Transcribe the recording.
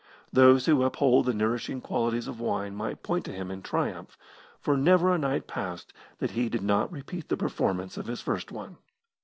Those who uphold the nourishing qualities of wine might point to him in triumph, for never a night passed that he did not repeat the performance of his first one.